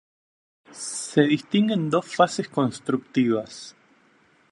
Se distinguen dos fases constructivas.